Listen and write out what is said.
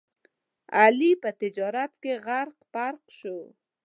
علي په تجارت کې غرق پرق شو.